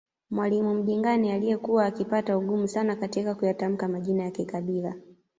Mwalimu Mdingane aliyekuwa akipata ugumu sana katika kuyatamka Majina ya kikabila